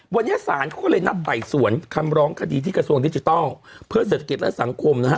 วันนี้ศาลเขาก็เลยนัดไต่สวนคำร้องคดีที่กระทรวงดิจิทัลเพื่อเศรษฐกิจและสังคมนะฮะ